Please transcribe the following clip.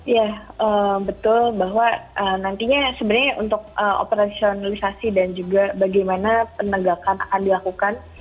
ya betul bahwa nantinya sebenarnya untuk operasionalisasi dan juga bagaimana penegakan akan dilakukan